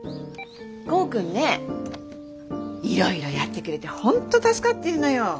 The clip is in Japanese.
剛くんねいろいろやってくれて本当助かってるのよ。